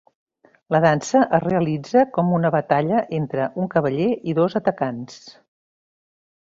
La dansa es realitza com una batalla entre un cavaller i dos atacants.